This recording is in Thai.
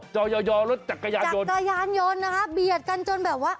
จอย่อยอรถจักรยานยนต์จักรยานยนต์นะคะเบียดกันจนแบบว่า